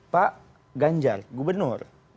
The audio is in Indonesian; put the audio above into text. pak ganjar gubernur